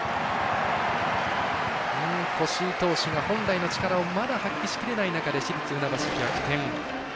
越井投手が本来の力をまだ発揮しきれない中で市立船橋、逆転。